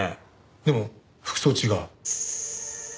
でも服装違う。